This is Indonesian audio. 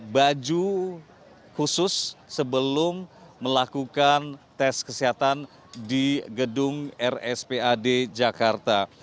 baju khusus sebelum melakukan tes kesehatan di gedung rspad jakarta